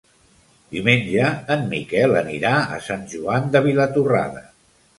Diumenge en Miquel anirà a Sant Joan de Vilatorrada.